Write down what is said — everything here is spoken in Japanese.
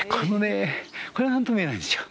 これが何とも言えないんですよ。